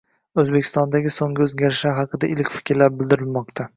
O'zbekistondagi so'nggi o'zgarishlar haqida iliq fikrlar bildirilmoqda.